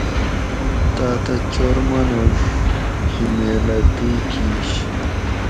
تاۤتہ چور مانوڛ ہیمیل اۤ تُو کِیش